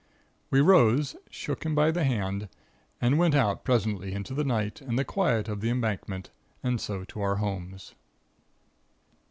We rose, shook him by the hand, and went out presently into the night and the quiet of the Embankment, and so to our homes.